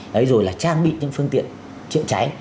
đấy rồi là trang bị những phương tiện chữa cháy